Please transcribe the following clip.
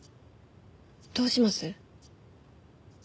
どうします？